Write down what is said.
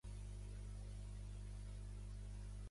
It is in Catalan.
No sembla que aquest paquet segueixi es trobi enlloc.